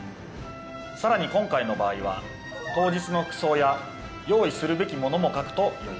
さらに今回の場合は当日の服装や用意するべきものも書くとよいでしょう。